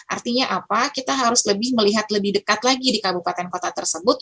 artinya apa kita harus lebih melihat lebih dekat lagi di kabupaten kota tersebut